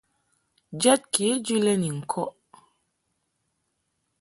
Jɛd kejɨ lɛ ni ŋkɔʼ .